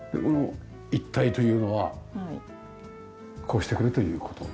この一体というのはこうしてくれという事。